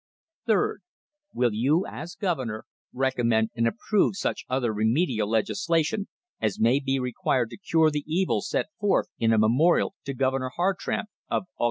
Third — Will you, as Governor, recommend and approve such other remedial legisla tion as may be required to cure the evils set forth in a memorial to Governor Hartranft of August 15, 1878